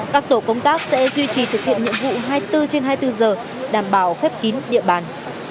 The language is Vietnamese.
các tổ công tác sẽ duy trì thực hiện nhiệm vụ hai mươi bốn trên hai mươi bốn giờ đảm bảo khép kín địa bàn